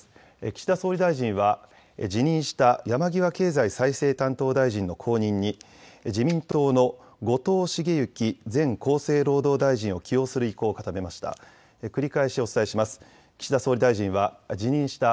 岸田総理大臣は辞任した山際経済再生担当大臣の後任に自民党の後藤茂之前厚生労働大臣を起用する意向を固めました。